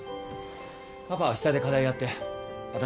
パパは下で課題やって私